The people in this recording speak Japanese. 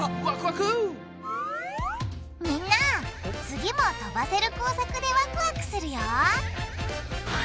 次も飛ばせる工作でワクワクするよ！